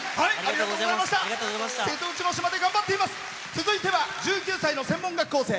続いては１９歳の専門学校生。